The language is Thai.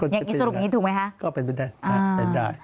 อย่างนี้สรุปนี้ถูกไหมคะ